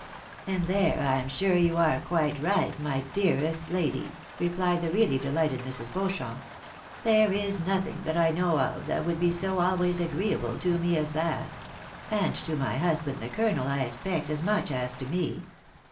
" And there I am sure you are quite right, my dearest lady,"replied the really delighted Mrs. Beauchamp. " There is nothing that I know of that would be so always agreeable to me as that ; and to my husband, the colonel, I expect, as much as to me.